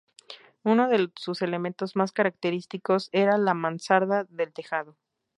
Uno de sus elementos más característicos era la mansarda del tejado.